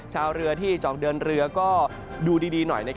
ชาวเรือที่จะออกเดินเรือก็ดูดีหน่อย